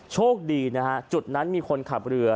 โชคดีนะฮะจุดนั้นมีคนขับเรือ